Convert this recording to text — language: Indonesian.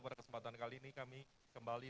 pada kesempatan kali ini kami kembali